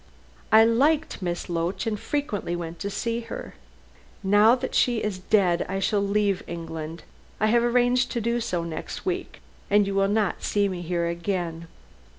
I liked Miss Loach and frequently went to see her. Now that she is dead I shall leave England. I have arranged to do so next week, and you will not see me here again.